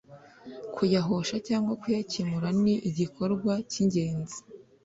kuyahosha cyangwa kuyakemura ni igikorwa cy’ingenzi